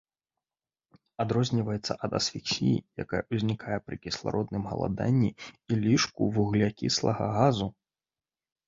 Адрозніваецца ад асфіксіі, якая ўзнікае пры кіслародным галаданні і лішку вуглякіслага газу.